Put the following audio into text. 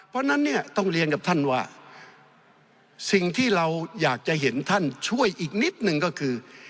เพราะฉะนั้นเนี่ยต้องเรียนกับท่านว่าสิ่งที่เราอยากจะเห็นท่านช่วยอีกนิดนึงก็คือ